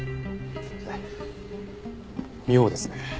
妙ですね。